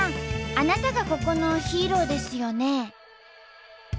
あなたがここのヒーローですよね？